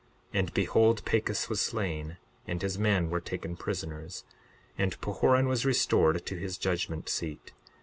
62:8 And behold, Pachus was slain and his men were taken prisoners, and Pahoran was restored to his judgment seat.